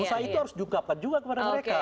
usaha itu harus diungkapkan juga kepada mereka